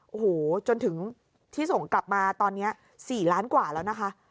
โอ้โหจนถึงที่ส่งกลับมาตอนนี้๔ล้านกว่าแล้วนะคะ